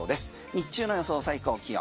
日中の予想最高気温。